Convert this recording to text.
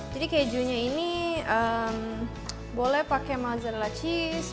jadi kejunya ini boleh pakai mozzarella cheese